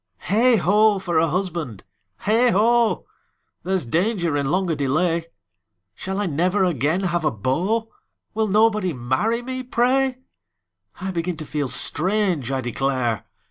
Heigh ho! for a husband! Heigh ho! There's danger in longer delay! Shall I never again have a beau? Will nobody marry me, pray! I begin to feel strange, I declare!